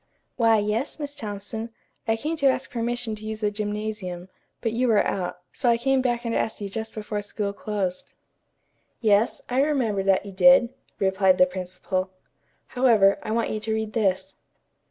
"Why, yes, Miss Thompson. I came to ask permission to use the gymnasium, but you were out, so I came back and asked you just before school closed." "Yes, I remember that you did," replied the principal. "However, I want you to read this."